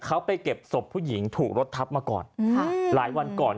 เขาไปเก็บศพผู้หญิงถูกรถทับมาก่อนค่ะหลายวันก่อน